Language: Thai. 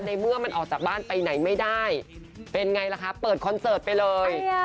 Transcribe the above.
เมื่อมันออกจากบ้านไปไหนไม่ได้เป็นไงล่ะคะเปิดคอนเสิร์ตไปเลย